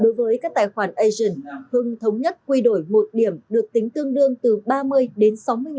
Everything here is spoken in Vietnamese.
đối với các tài khoản asian hưng thống nhất quy đổi một điểm được tính tương đương từ ba mươi đến sáu mươi